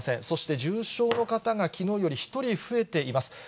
そして、重症の方がきのうより１人増えています。